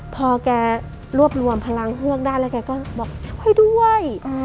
พอแกรวบรวมพลังเฮือกได้แล้วแกก็บอกช่วยด้วย